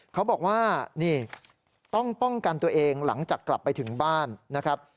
เขาบอกว่านี่ต้องป้องกันตัวเองหลังจากกลับไปถึงบ้านนะครับ